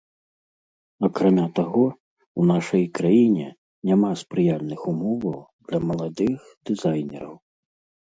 Акрамя таго, у нашай краіне няма спрыяльных умоваў для маладых дызайнераў.